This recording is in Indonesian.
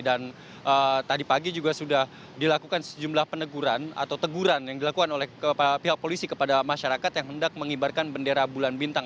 dan tadi pagi juga sudah dilakukan sejumlah peneguran atau teguran yang dilakukan oleh pihak polisi kepada masyarakat yang hendak mengibarkan bendera bulan bintang